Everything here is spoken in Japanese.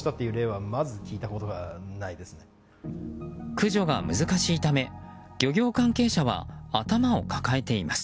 駆除が難しいため漁業関係者は頭を抱えています。